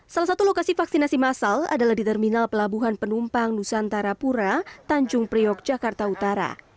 salah satu lokasi vaksinasi masal adalah di terminal pelabuhan penumpang nusantara pura tanjung priok jakarta utara